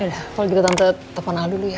yaudah kalo gitu tante telepon al dulu ya